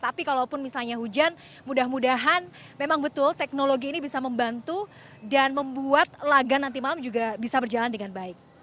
tapi kalaupun misalnya hujan mudah mudahan memang betul teknologi ini bisa membantu dan membuat laga nanti malam juga bisa berjalan dengan baik